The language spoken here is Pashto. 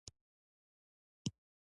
د افغانستان طبیعت له لعل څخه جوړ شوی دی.